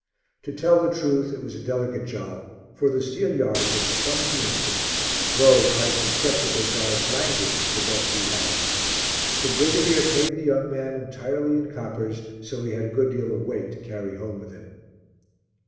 To tell the truth, it was a delicate job, for the steelyard was a clumsy instrument, though, like the sceptical guard's language, the best we had. The brigadier paid the young man entirely in coppers, so he had a good deal of weight to carry home with him.